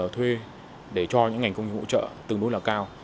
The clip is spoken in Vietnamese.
thuê để cho những ngành công nghiệp hỗ trợ tương đối là cao